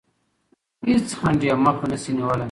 هیڅ خنډ یې مخه نه شي نیولی.